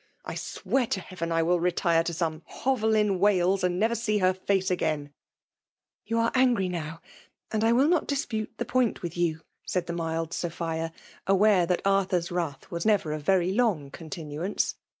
I swear to Heaven I will retire to some hovel in Wales, a^d never see her face again !" You ajre angry now, and I will not dispute the point with you," said the mild Sophia, aware that Arthur's wrath was never of very long continuance.